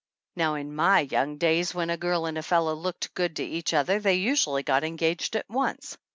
"Now in my young days when a girl and a fellow looked good to each other they usually got engaged at once.